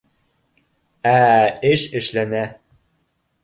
Ә эш эшләнә